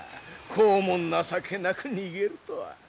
こうも情けなく逃げるとは。